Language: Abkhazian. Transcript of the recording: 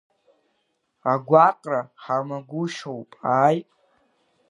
Агәаҟра ҳамагәышьоуп ааи!